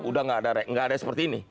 udah nggak ada seperti ini